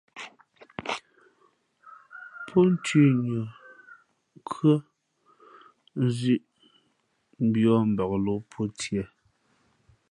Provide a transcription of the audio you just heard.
Pó nthʉ̌nʉα, nkhʉ́ά, nzʉ̄ʼ mbiᾱᾱ mbak lō pó tiē.